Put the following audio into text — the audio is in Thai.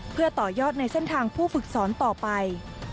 เพื่อต่อยอดในเส้นทางผู้ฝึกสอนต่อไป